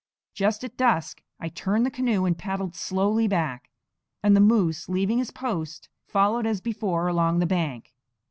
Just at dusk I turned the canoe and paddled slowly back; and the moose, leaving his post, followed as before along the bank.